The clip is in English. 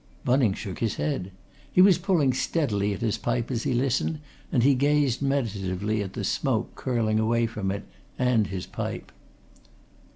Bunning shook his head. He was pulling steadily at his pipe as he listened, and he gazed meditatively at the smoke curling away from it and his pipe.